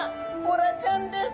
ボラちゃんです！